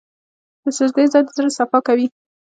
د سجدې ځای د زړه صفا کوي.